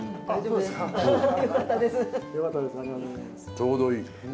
ちょうどいい。